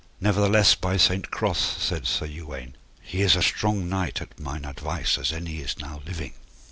Nevertheless, by Saint Cross, said Sir Uwaine, he is a strong knight at mine advice as any is now living.